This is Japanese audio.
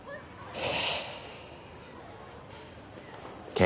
ええ。